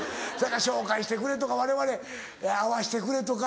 紹介してくれとかわれわれ会わしてくれとか。